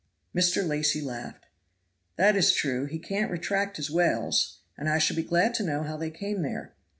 Mr. Lacy laughed. "That is true, he can't retract his wales, and I shall be glad to know how they came there."